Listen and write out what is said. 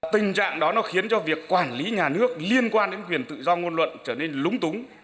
tình trạng đó nó khiến cho việc quản lý nhà nước liên quan đến quyền tự do ngôn luận trở nên lúng túng